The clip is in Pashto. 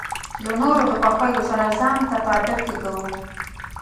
له نورو د خوښو سره ځان تطابق کې کوو.